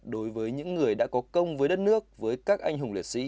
đối với những người đã có công với đất nước với các anh hùng liệt sĩ